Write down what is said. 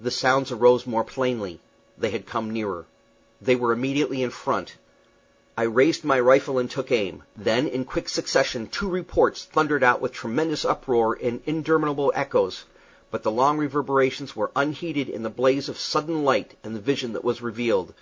The sounds arose more plainly. They had come nearer. They were immediately in front. I raised my rifle and took aim. Then in quick succession two reports thundered out with tremendous uproar and interminable echoes, but the long reverberations were unheeded in the blaze of sudden light and the vision that was revealed.